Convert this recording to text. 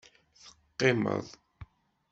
Teqqimeḍ.